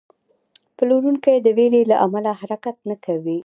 پلورونکی د ویرې له امله حرکت نه کوي.